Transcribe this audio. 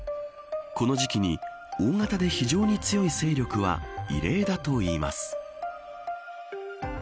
この時期に大型で非常に強い勢力は異例だといいます。